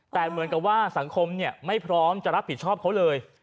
แต่เหมือนกับว่าสังคมไม่พร้อมจะรับผิดชอบเขาเลย